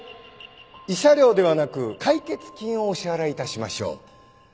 慰謝料ではなく解決金をお支払いいたしましょう。